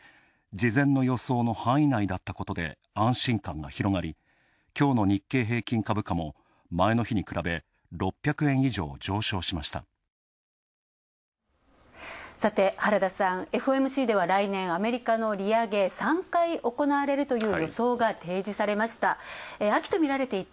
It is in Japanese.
事前の予想の範囲内だったことで安心感が広がりきょうの日経平均株価も前の日に比べ６００円以上上昇しました。